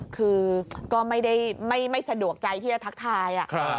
คือก็ไม่สะดวกใจที่จะทักทาย